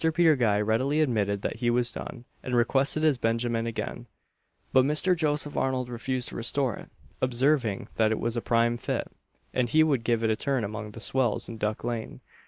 Peter Guy readily admitted that he was done, and requested his benjamin again; but Mr. Joseph Arnold refused to restore it, observing, that it was a prime fit, and he would give it a turn among the swells in Duck lane.